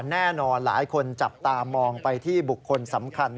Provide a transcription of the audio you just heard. แน่นอนหลายคนจับตามองไปที่บุคคลสำคัญ